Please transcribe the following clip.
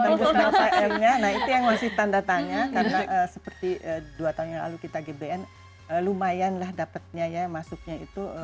nah itu yang masih tanda tanya karena seperti dua tahun yang lalu kita gbn lumayanlah dapatnya ya masuknya itu